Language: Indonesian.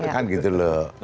kan gitu loh